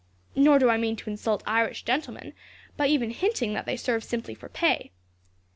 Nor do I mean to insult Irish gentlemen, by even hinting that they serve simply for pay.